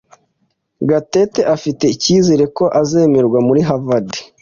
Gatete afite icyizere ko azemerwa muri Harvard.